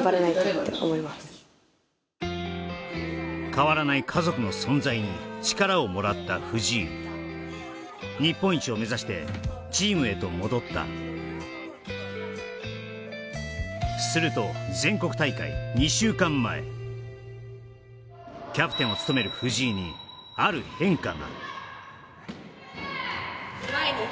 変わらない家族の存在に力をもらった藤井日本一を目指してチームへと戻ったすると全国大会２週間前キャプテンを務める藤井にある変化がＯＫ？